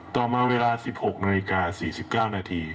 ต่อมาเวลา๑๖นาฬิกา๔๙นาที